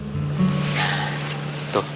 tahan tahan tahan